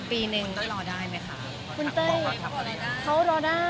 มีปิดฟงปิดไฟแล้วถือเค้กขึ้นมา